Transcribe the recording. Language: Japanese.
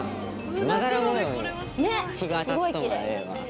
まだら模様に日が当たっとんのがええわ。